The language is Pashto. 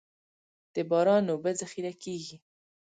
د باران اوبه ذخیره کیږي